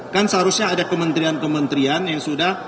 kan seharusnya ada kementerian kementerian yang sudah